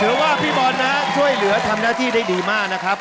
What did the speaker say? ว่าพี่บอลนะช่วยเหลือทำหน้าที่ได้ดีมากนะครับ